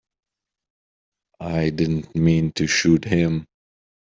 I didn't mean to shoot him.